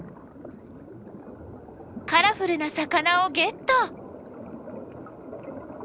カラフルな魚をゲット！